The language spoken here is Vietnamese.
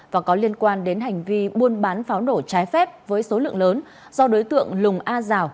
và có liên quan đến hành vi buôn bán pháo nổ trái phép với số lượng lớn do đối tượng lùng a giào